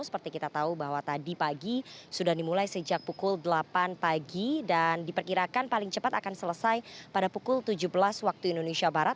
seperti kita tahu bahwa tadi pagi sudah dimulai sejak pukul delapan pagi dan diperkirakan paling cepat akan selesai pada pukul tujuh belas waktu indonesia barat